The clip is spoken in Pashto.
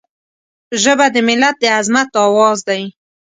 ژبه د ملت د عظمت آواز دی